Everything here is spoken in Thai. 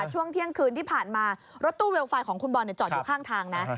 ช่วงเที่ยงคืนที่ผ่านมารถตู้เวลไฟล์ของคุณบอลจอดอยู่ข้างทางนะ